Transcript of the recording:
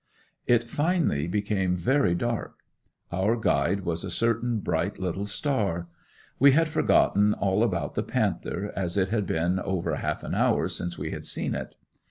It finally became very dark; our guide was a certain bright little star. We had forgotten all about the panther as it had been over half an hour since we had seen it.